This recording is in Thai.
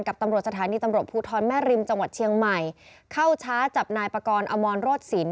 กับตำรวจสถานีตำรวจภูทรแม่ริมจังหวัดเชียงใหม่เข้าช้าจับนายปากรอมรโรศสิน